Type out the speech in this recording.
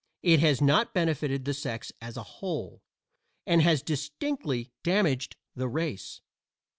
It has not benefited the sex as a whole, and has distinctly damaged the race.